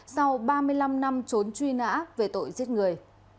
sau ba mươi năm năm trốn truy nã về tội giết người